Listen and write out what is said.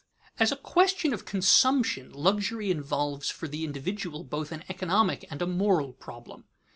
_As a question of consumption luxury involves for the individual both an economic and a moral problem.